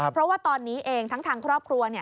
เพราะว่าตอนนี้เองทั้งทางครอบครัว